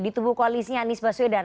di tubuh koalisnya anies baswedan